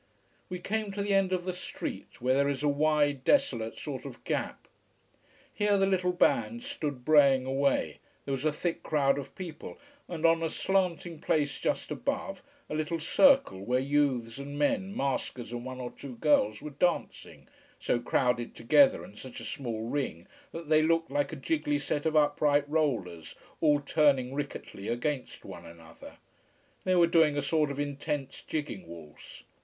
We came to the end of the street, where there is a wide, desolate sort of gap. Here the little band stood braying away, there was a thick crowd of people, and on a slanting place just above, a little circle where youths and men, maskers and one or two girls were dancing, so crowded together and such a small ring that they looked like a jiggly set of upright rollers all turning rickettily against one another. They were doing a sort of intense jigging waltz.